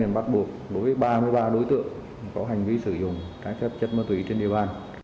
bắt buộc đối với ba mươi ba đối tượng có hành vi sử dụng trái phép chất ma túy trên địa bàn